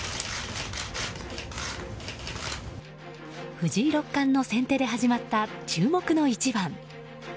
藤井六冠の先手で始まった注目の一番。